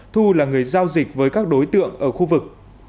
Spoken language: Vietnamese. thu là người giao dịch với các đối tượng ở khu vực